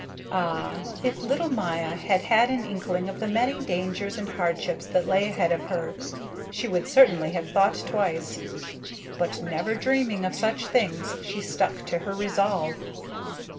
Ah, if little Maya had had an inkling of the many dangers and hardships that lay ahead of her, she would certainly have thought twice. But never dreaming of such things, she stuck to her resolve.